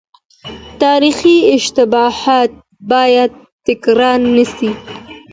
تاريخي اشتباهات بايد تکرار نه سي.